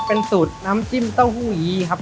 เป็นสูตรน้ำจิ้มเต้าหู้ยีครับ